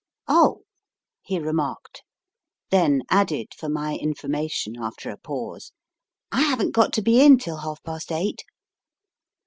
Oh, he remarked. Then added for my informa tion after a pause : I haven t got to be in till half past eight.